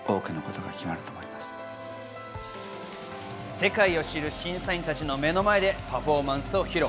世界を知る審査員たちの目の前でパフォーマンスを披露。